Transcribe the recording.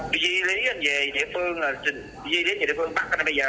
duy lý anh về địa phương duy lý về địa phương bắt anh ở bây giờ nha